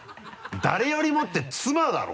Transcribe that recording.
「誰よりも」って妻だろ！